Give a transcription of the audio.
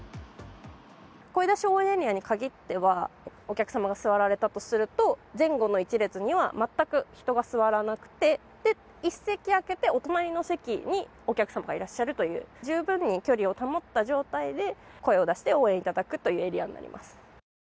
声出し応援エリアに限っては、お客様が座られたとすると、前後の１列には全く人が座らなくて一席空けてお隣の席にお客様がいらっしゃるという、十分に距離を保った状態で声を出して応援いただくというエリアになります。